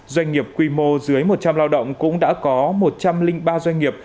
doanh nghiệp quy mô dưới một trăm linh lao động cũng đã có một trăm linh ba doanh nghiệp